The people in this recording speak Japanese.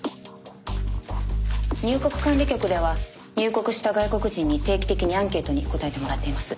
入国管理局では入国した外国人に定期的にアンケートに答えてもらっています。